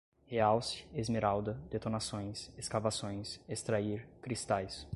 realce, esmeralda, detonações, escavações, extrair, cristais